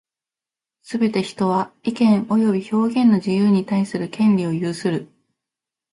すべて人は、意見及び表現の自由に対する権利を有する。